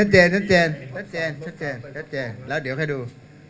ชัดเจนแล้วเดี๋ยวแค่ดู